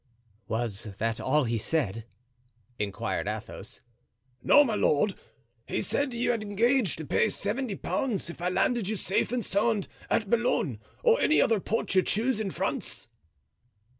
"Was that all he said?" inquired Athos. "No, my lord; he said you had engaged to pay seventy pounds if I landed you safe and sound at Boulogne or any other port you choose in France."